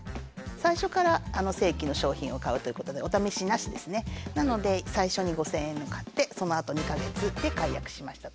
最初から正規の商品を買うということでおためしなしですねなので最初に５，０００円のを買ってそのあと２か月で解約しました。